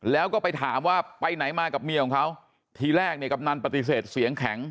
แล้วก็ไปถามว่าไปไหนมากับเมียของเขาทีแรกเนี่ยกำนันปฏิเสธเสียงแข็ง